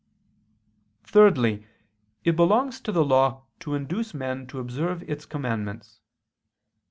Thirdly, it belongs to the law to induce men to observe its commandments.